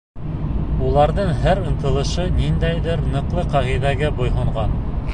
Уларҙың һәр ынтылышы ниндәйҙер ныҡлы ҡағиҙәгә буйһонған.